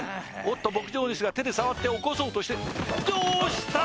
おっと牧場主が手で触って起こそうとしてどうした！？